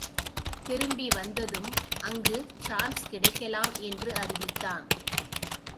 திரும்பி வந்ததும், அங்கு சான்ஸ் கிடைக்கலாம் என்று அறிவித்தான்.